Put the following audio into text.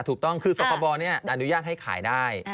ถูกต้องคือสคบอนุญาตให้ขายได้